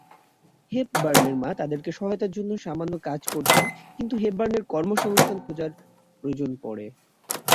হেপবার্নের মা তাদেরকে সহায়তার জন্যে সামান্য কাজ করতেন কিন্তু হেপবার্নের কর্মসংস্থান খোঁজার প্রয়োজন পড়ে।